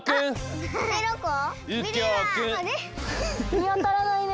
みあたらないね。